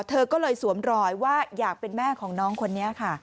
เธอก็เลยสวมรอยว่าอยากเป็นแม่ของน้องคนนี้ค่ะ